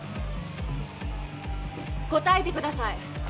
答えてください。